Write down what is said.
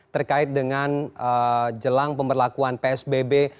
terkait dengan jelang pemberlakuan psbb